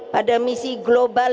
pada misi global